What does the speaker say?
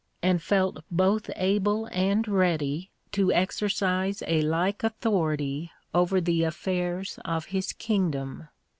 and felt both able and ready to exercise a like authority over the affairs of his kingdom.